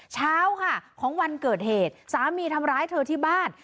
เช้าค่ะของวันเกิดเหตุสามีทำร้ายเธอที่บ้าน